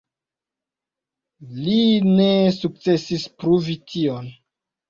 Li ne sukcesis pruvi tion.